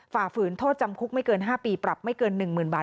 ฝ่าฝืนโทษจำคุกไม่เกิน๕ปีปรับไม่เกิน๑๐๐๐บาท